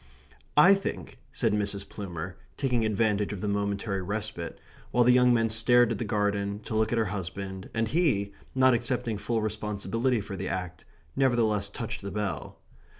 "I think," said Mrs. Plumer, taking advantage of the momentary respite, while the young men stared at the garden, to look at her husband, and he, not accepting full responsibility for the act, nevertheless touched the bell.